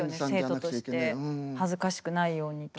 生徒として恥ずかしくないように。